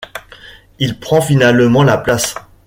Il prend finalement la place.